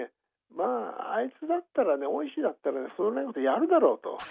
まあ「あいつだったらね大石だったらそのぐらいのことやるだろう」と。